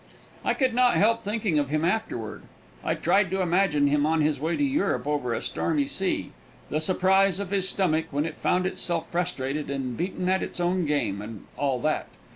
I could not help thinking of him afterward. I tried to imagine him on his way to Europe over a stormy sea; the surprise of his stomach when it found itself frustrated and beaten at its own game, and all that.